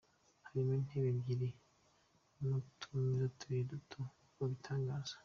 Harimo intebe ebyiri n’utumeza tubiri duto, nk’uko abitangaza.